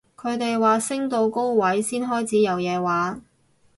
佢哋話升到高位先開始有嘢玩